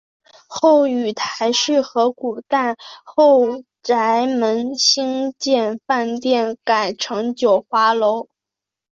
后与邰氏合股在后宰门兴建饭庄改称九华楼。